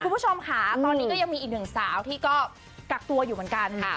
คุณผู้ชมค่ะตอนนี้ก็ยังมีอีกหนึ่งสาวที่ก็กักตัวอยู่เหมือนกันค่ะ